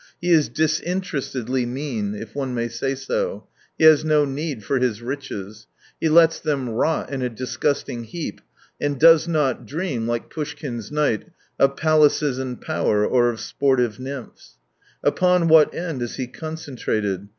He is disinterestedly mean, if one may say so. He has no nee4 for his riches. He lets them rot in a disgusting heap, and does not dream, like Poushkin's knight, of palaces and power, or of spprtive nymphs. Upon what end is he concentrated